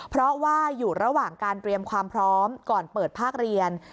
เพราะว่าอยู่ระหว่างการเตรียมความพร้อมก่อนเปิดภาคเรียน